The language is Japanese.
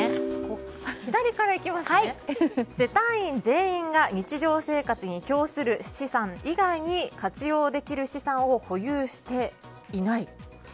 世帯員全員が日常生活に供する資産以外に活用できる資産を保有していない。